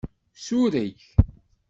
Sureg.